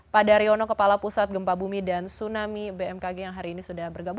pak daryono kepala pusat gempa bumi dan tsunami bmkg yang hari ini sudah bergabung